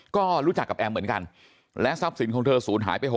ก็รู้จักกับแอมเหมือนกันและทรัพย์สินของเธอศูนย์หายไป